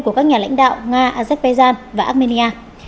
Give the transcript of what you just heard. của các nhà lãnh đạo nga azerbaijan và armenia